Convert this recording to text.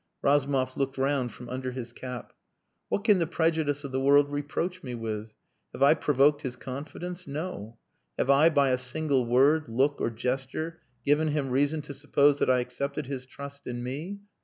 Razumov looked round from under his cap. "What can the prejudice of the world reproach me with? Have I provoked his confidence? No! Have I by a single word, look, or gesture given him reason to suppose that I accepted his trust in me?